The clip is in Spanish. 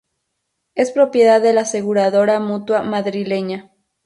Es propiedad de la aseguradora Mutua Madrileña.